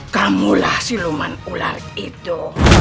kamulah siluman ular itu